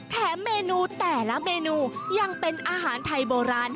แถมเมนูแต่ละเมนูยังเป็นอาหารไทยโบราณ